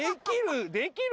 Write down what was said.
できる！